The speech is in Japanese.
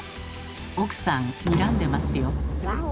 奥さんにらんでますよ。